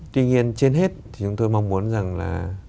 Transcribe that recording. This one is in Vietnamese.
tuy nhiên trên hết thì chúng tôi mong muốn rằng là